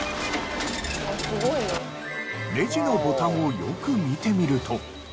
レジのボタンをよく見てみると。